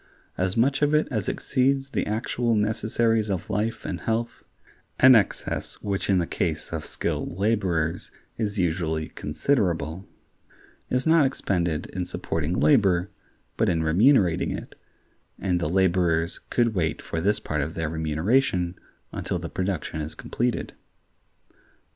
As much of it as exceeds the actual necessaries of life and health (an excess which in the case of skilled laborers is usually considerable) is not expended in supporting labor, but in remunerating it, and the laborers could wait for this part of their remuneration until the production is completed.